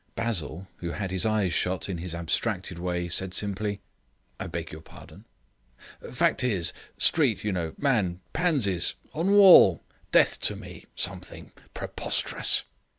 Basil, who had his eyes shut in his abstracted way, said simply: "I beg your pardon." "Fact is. Street, you know, man, pansies. On wall. Death to me. Something. Preposterous."